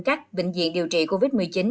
các bệnh viện điều trị covid một mươi chín